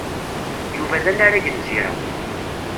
Yuba d anarag n Zira.